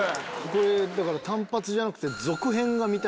これだから単発じゃなくて。